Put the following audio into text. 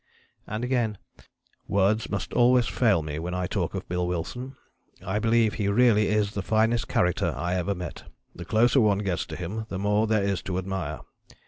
" Again: "Words must always fail me when I talk of Bill Wilson. I believe he really is the finest character I ever met the closer one gets to him the more there is to admire.